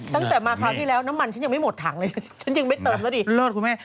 ตั้งแต่มาคราวที่แล้วน้ำมัวฉันยังไม่หมดถังเลย